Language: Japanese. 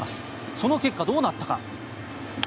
その結果、どうなったか。